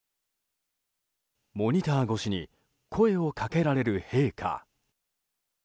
モニター越しに声をかけられる陛下。